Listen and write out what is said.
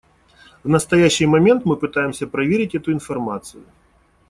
В настоящий момент мы пытаемся проверить эту информацию.